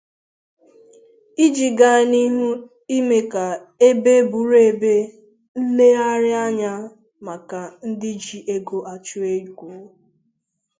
iji gaa n'ihu ime ka ebe bụrụ ebe nlegaraanya maka ndị ji ego achụ ego.